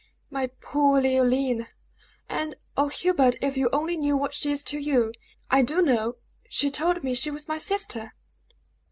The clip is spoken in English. "My poor Leoline! And O Hubert, if you only knew what she is to you!" "I do know! She told me she was my sister!"